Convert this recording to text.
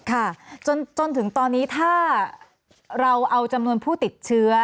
ค่ะจนถึงตอนนี้ถ้าเราเอาจำนวนผู้ติดเชื้อ